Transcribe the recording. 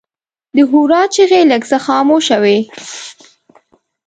د هورا چیغې لږ څه خاموشه وې.